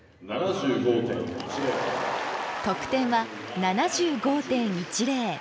得点は７５．１０。